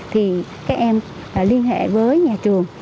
thì các em liên hệ với nhà trường